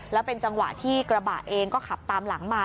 แล้วเป็นจังหวะที่กระบะเองก็ขับตามหลังมา